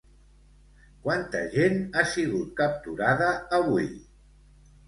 Quanta gent ha sigut capturada avui?